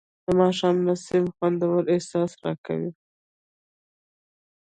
د ماښام نسیم خوندور احساس راکوي